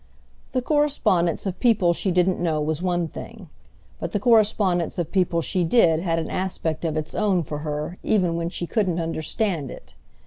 The correspondence of people she didn't know was one thing; but the correspondence of people she did had an aspect of its own for her even when she couldn't understand it.